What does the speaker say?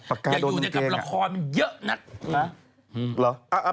ปากกาโดนเมืองเกงอะอย่าอยู่ในกับละครมันเยอะนัก